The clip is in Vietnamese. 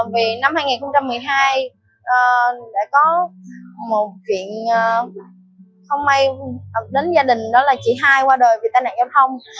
vì năm hai nghìn một mươi hai đã có một chuyện không may đến gia đình đó là chị hai qua đời vì tai nạn giao thông